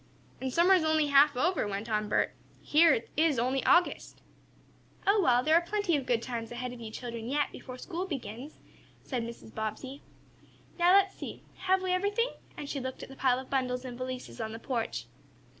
"And summer is only half over," went on Bert. "Here it is only August." "Oh, well, there are plenty of good times ahead of you children yet, before school begins," said Mrs. Bobbsey. "Now let's see. Have we everything?" and she looked at the pile of bundles and valises on the porch.